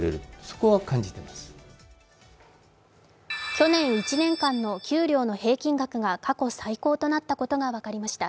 去年１年間の給料の平均額が過去最高となったことが分かりました。